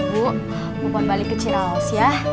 bu bupon balik ke ciraos ya